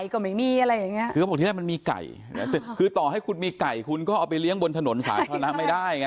ขอบคุณครับ